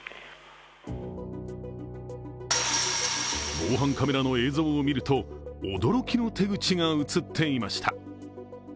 防犯カメラの映像を見ると、驚きの手口が映っていました。